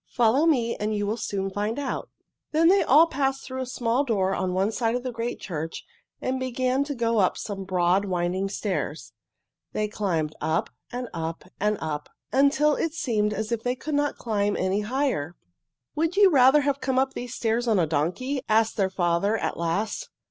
"Follow me and you will soon find out." Then they all passed through a small door on one side of the great church and began to go up some broad, winding stairs. They climbed up and up and up, until it seemed as if they could not climb any higher. "Would you rather have come up these stairs on a donkey?" asked their father at last.